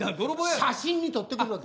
写真に撮ってくるわけ。